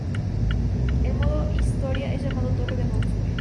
El modo historia es llamado Torre de Bowser.